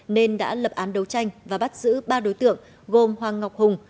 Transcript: nên đã lập án đấu tranh và bắt giữ ba đối tượng gồm hoàng ngọc hùng